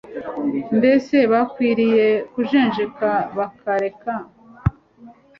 Mbese bakwiriye kujenjeka bakareka